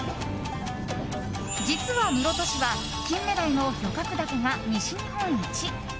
実は室戸市はキンメダイの漁獲高が西日本一。